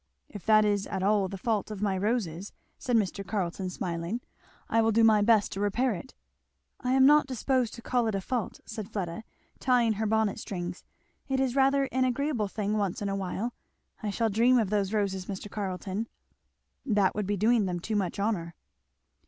"If that is at all the fault of my roses,", said Mr. Carleton smiling, "I will do my best to repair it." "I am not disposed to call it a fault," said Fleda tying her bonnet strings, "it is rather an agreeable thing once in a while. I shall dream of those roses, Mr. Carleton!" "That would be doing them too much honour."